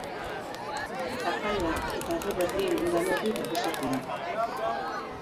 Tafalla eta Erriberri udalerri nagusiak dira.